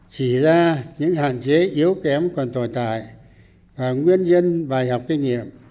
chỉ ra những hạn chế yếu kém còn tồi tài và nguyên nhân bài học kinh nghiệm